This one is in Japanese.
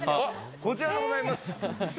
こちらでございます。